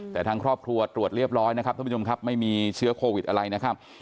แต่ทางครอบครัวตรวจเรียบร้อยนะครับท่านผู้ชมครับไม่มีเชื้อโควิดอะไรนะครับ